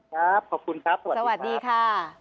ครับขอบคุณครับสวัสดีค่ะ